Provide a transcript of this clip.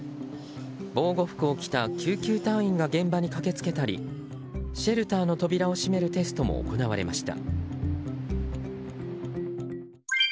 防護服を着た救急隊員が現場に駆けつけたりシェルターの扉を閉めるテストも行われました。